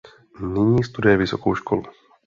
Nyní studuje vysokou školu.